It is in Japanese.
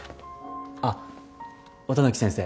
あっ綿貫先生。